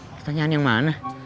pertanyaan yang mana